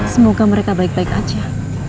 semoga mereka baik baik aja